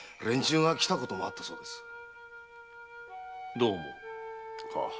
どう思う？